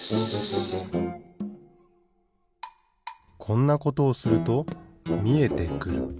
こんなことをするとみえてくる。